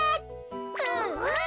うんうん！